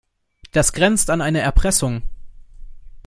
Das grenzt an eine Erpressung.